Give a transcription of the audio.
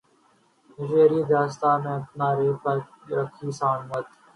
تنوشری دتہ نے میرا ریپ کیا راکھی ساونت